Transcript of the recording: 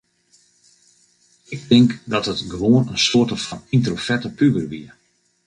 Ik tink dat ik gewoan in soarte fan yntroverte puber wie.